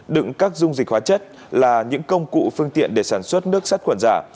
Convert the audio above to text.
đựng các dung dịch hóa chất là những công cụ phương tiện để sản xuất nước sắt quần giả